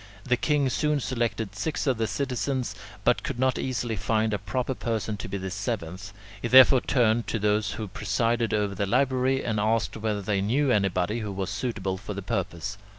The king soon selected six of the citizens, but could not so easily find a proper person to be the seventh. He therefore turned to those who presided over the library, and asked whether they knew anybody who was suitable for the purpose.